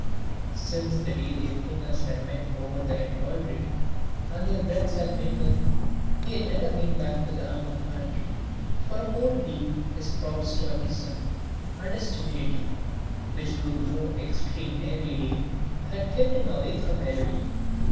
Since the day their fingers had met over the embroidery and their breaths had mingled, he had never been back to the Amour peintre. For a whole week his proud stoicism and his timidity, which grew more extreme every day, had kept him away from Élodie.